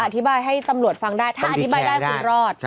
อธิบายให้ตำรวจฟังได้ถ้าอธิบายได้คุณรอด